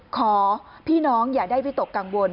ขอพี่น้องอย่าได้วิตกกังวล